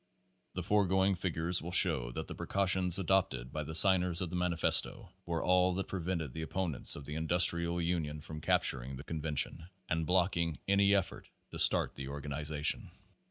The foregoing figures will show that the precau tions adopted by the signers of the Manifesto were all that prevented the opponents of the industrial union from capturing the convention and blocking any effort to start the organization.